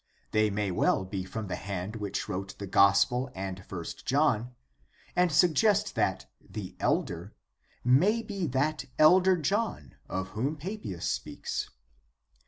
They may well be from the hand which wrote the Gospel and I John, and suggest that ''the Elder" may be that Elder John of whom Papias speaks.